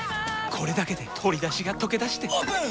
これだけで鶏だしがとけだしてオープン！